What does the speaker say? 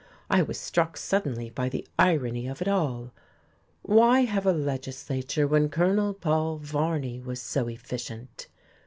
I was struck suddenly by the irony of it all. Why have a legislature when Colonel Paul Varney was so efficient!